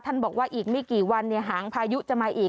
ท่านบอกว่าอีกไม่กี่วันเนี่ยหางพายุจะมาอีก